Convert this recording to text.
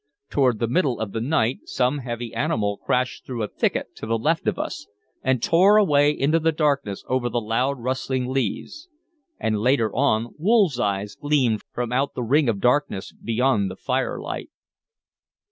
Toward the middle of the night some heavy animal crashed through a thicket to the left of us, and tore away into the darkness over the loud rustling leaves; and later on wolves' eyes gleamed from out the ring of darkness beyond the firelight.